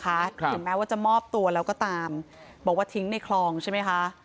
ถึงแม้ว่าจะมอบตัวแล้วก็ตามบอกว่าทิ้งในคลองใช่ไหมคะ